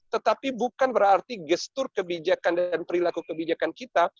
tetapi bukan berarti gestur kebijakan dan perilaku kebijakan kita